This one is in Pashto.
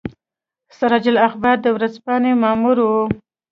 سراج الاخبار د ورځپاڼې مامور وو.